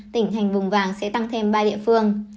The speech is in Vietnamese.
tỉnh hành vùng vàng sẽ tăng thêm ba địa phương